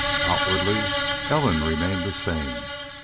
Outwardly Ellen remained the same.